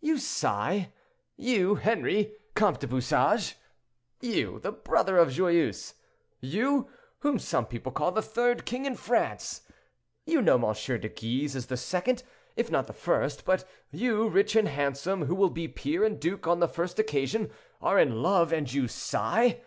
"You sigh?—you, Henri, comte de Bouchage?—you, the brother of Joyeuse?—you, whom some people call the third king in France? You know M. de Guise is the second, if not the first; but you, rich and handsome, who will be peer and duke on the first occasion, are in love, and you sigh!